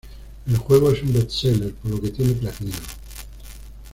El juego es un best-seller, por lo que tiene platino.